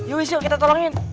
yuk yuk kita tolongin